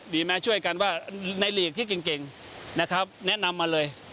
ดีไหมช่วยกันว่าในหลีกที่เก่งนะครับแนะนำมาเลย